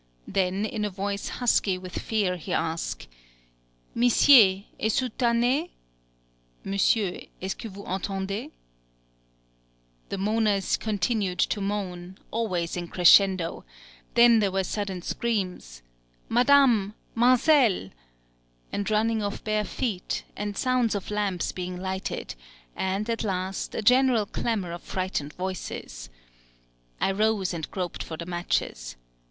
Then, in a voice husky with fear, he asked: "Missié, ess ou tanne?" [Monsieur, est ce que vous entendez?] The moaners continued to moan, always in crescendo: then there were sudden screams, "Madame!" "Manzell!" and running of bare feet, and sounds of lamps being lighted, and, at last, a general clamor of frightened voices. I rose, and groped for the matches.